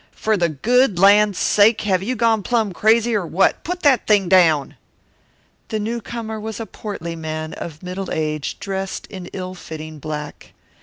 For the good land's sake! Have you gone plumb crazy, or what? Put that thing down!" The newcomer was a portly man of middle age dressed in ill fitting black.